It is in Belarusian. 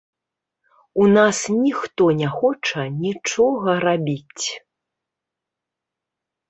У нас ніхто не хоча нічога рабіць.